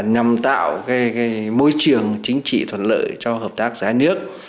nhằm tạo môi trường chính trị thuận lợi cho hợp tác giá nước